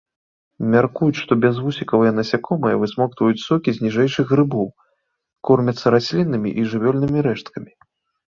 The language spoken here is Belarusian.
Мяркуюць, што бязвусікавыя насякомыя высмоктваюць сокі з ніжэйшых грыбоў, кормяцца расліннымі і жывёльнымі рэшткамі.